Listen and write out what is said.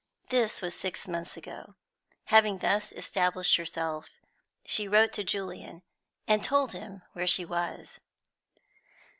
This was six months ago. Having thus established herself, she wrote to Julian, and told him where she was.